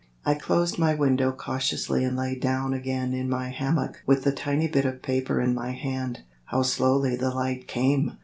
I closed my window cautiously and lay down again in my hammock with the tiny bit of paper in my hand. How slowly the light came!